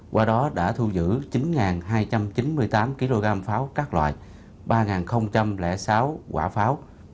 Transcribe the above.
qua đó đã thu giữ chín hai trăm chín mươi tám kg pháo các loại ba sáu quả pháo